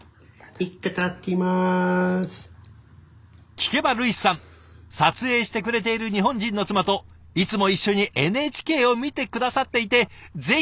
聞けばルイスさん撮影してくれている日本人の妻といつも一緒にＮＨＫを見て下さっていて「ぜひ出たい！」と投稿してくれたんです。